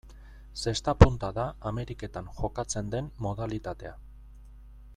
Zesta-punta da Ameriketan jokatzen den modalitatea.